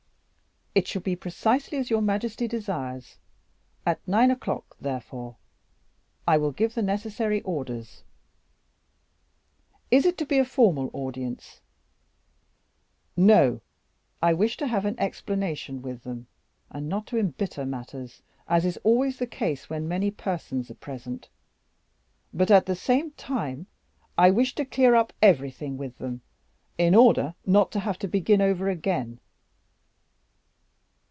"It shall be precisely as your majesty desires. At nine o'clock, therefore I will give the necessary orders. Is it to be a formal audience?" "No. I wish to have an explanation with them, and not to embitter matters, as is always the case when many persons are present, but, at the same time, I wish to clear up everything with them, in order not to have to begin over again."